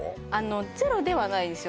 ゼロではないですよ